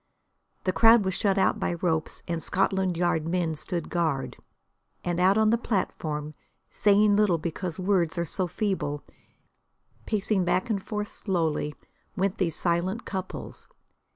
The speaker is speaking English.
The crowd was shut out by ropes and Scotland Yard men stood guard. And out on the platform, saying little because words are so feeble, pacing back and forth slowly, went these silent couples.